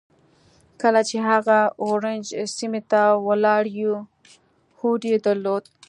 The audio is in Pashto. کله چې هغه اورنج سيمې ته ولاړ يو هوډ يې درلود.